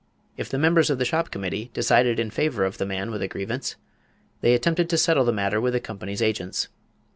If the members of the shop committee decided in favor of the man with a grievance, they attempted to settle the matter with the company's agents.